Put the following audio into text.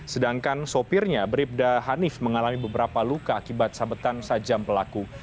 sedangkan sopirnya bribda hanif mengalami beberapa luka akibat sabetan sajam pelaku